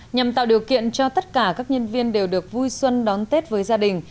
nhằm tạo điều kiện cho tất cả các nhân viên đều được vui xuân đón tết với gia đình